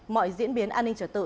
mọi diễn biến an ninh trở tự